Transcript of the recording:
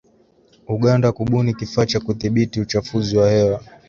Uganda kubuni kifaa cha kudhibiti uchafuzi wa hewa.